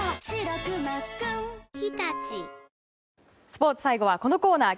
スポーツ最後はこのコーナー。